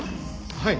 はい。